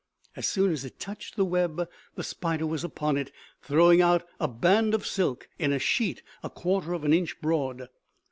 As soon as it touched the web, the spider was upon it, throwing out a band of silk in a sheet a quarter of an inch broad.